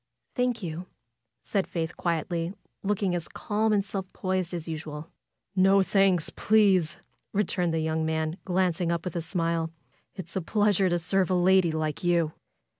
Thank you," said Faith, quietly, looking as calm and self possessed as usual, ^^No thanks, please!" returned the young man, glancing up with a smile. "It's a pleasure to serve a lady like you."